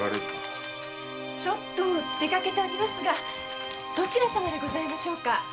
ちょっと出かけておりますがどちら様でございましょうか？